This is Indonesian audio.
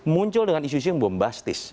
muncul dengan isu isu yang bombastis